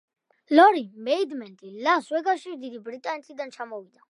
ლორი მეიდმენთი ლას ვეგასში დიდი ბრიტანეთიდან ჩამოვიდა.